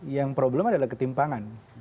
yang problem adalah ketimpangan